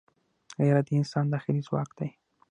غیرت د انسان داخلي ځواک دی